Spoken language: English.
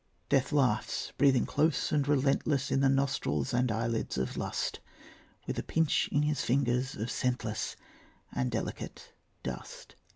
Death laughs, breathing close and relentless In the nostrils and eyelids of lust, With a pinch in his fingers of scentless And delicate dust.